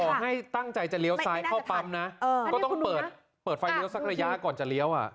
ให้ตั้งใจจะเลี้ยวซ้ายเข้าปั๊มนะก็ต้องเปิดไฟเลี้ยวสักระยะก่อนจะเลี้ยว